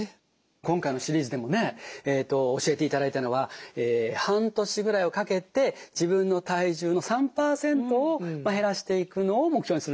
今回のシリーズでもね教えていただいたのは半年ぐらいをかけて自分の体重の３％を減らしていくのを目標にする。